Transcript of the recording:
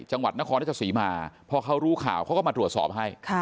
จังหวัดนครราชสีมาพอเขารู้ข่าวเขาก็มาตรวจสอบให้